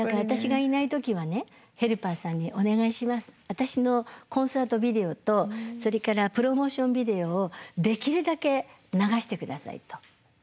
私のコンサートビデオとそれからプロモーションビデオをできるだけ流して下さい」と。